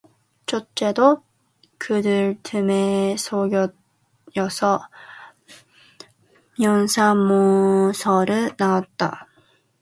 첫째도 그들 틈에 섞여서 면사무소를 나왔다.